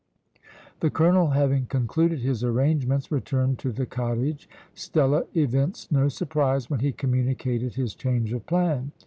The colonel having concluded his arrangements, returned to the cottage. Stella evinced no surprise when he communicated his change of plan.